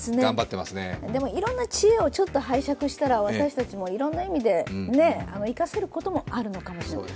でも、いろんな知恵をちょっと拝借したら私たちもいろんな意味で生かせることもあるのかもしれない。